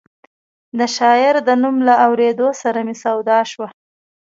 د شاعر د نوم له اورېدو سره مې سودا شوه.